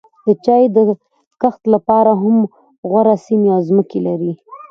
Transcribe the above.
د چای د کښت لپاره هم غوره سیمې او ځمکې لري.